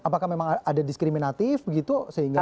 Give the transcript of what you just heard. apakah memang ada diskriminatif begitu sehingga harus luar